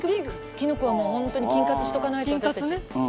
キノコはもう本当に菌活しておかないと私たち。